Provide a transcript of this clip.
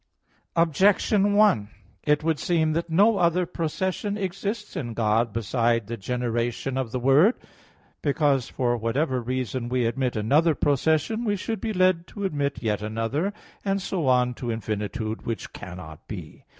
Objection 1: It would seem that no other procession exists in God besides the generation of the Word. Because, for whatever reason we admit another procession, we should be led to admit yet another, and so on to infinitude; which cannot be.